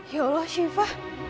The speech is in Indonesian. ya allah siva